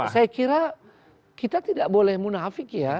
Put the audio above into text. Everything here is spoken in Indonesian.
saya kira kita tidak boleh munafik ya